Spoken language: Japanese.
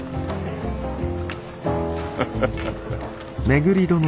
ハハハハ。